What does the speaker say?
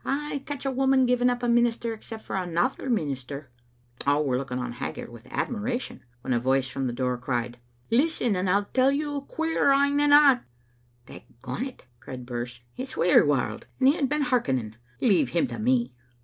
Ay, catch a woman giving up a minister, except for another minister." All were looking on Haggart with admiration, when a voice from the door cried — "Listen, and I'll tell you a queerer ane than that." " Dagont," cried Birse, "it's Weary warld, and he h^ been hearkening. Leave him to me."